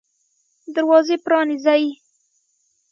دروازه پرانیزئ